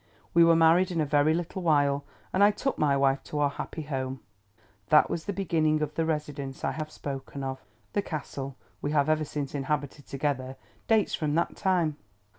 We were married in a very little while, and I took my wife to our happy home. That was the beginning of the residence I have spoken of; the Castle we have ever since inhabited together, dates from that time.